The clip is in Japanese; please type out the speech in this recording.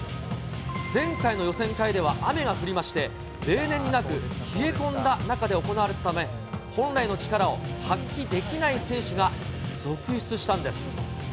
前回の予選会では、雨が降りまして、例年になく、冷え込んだ中で行われたため、本来の力を発揮できない選手が続出したんです。